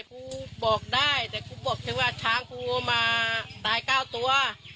กูบอกได้แต่กูบอกแค่ว่าช้างกูมาตาย๙ตัว